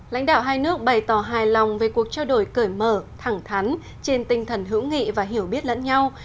lãnh đạo hai nước bày tỏ hài lòng về cuộc trao đổi cởi mở thẳng thắn trên tinh thần hữu nghị và hiểu biết lẫn nhau